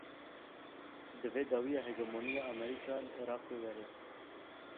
Divê dawiya hegemoniya Amerîka li Iraqê were.